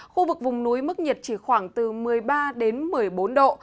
khu vực vùng núi mức nhiệt chỉ khoảng từ một mươi ba đến một mươi bốn độ